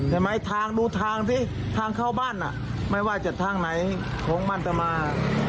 เห็นมั้ยทางดูทางสิทางเข้าบ้านน่ะไม่ว่าจะทางไหนของบ้านจะมา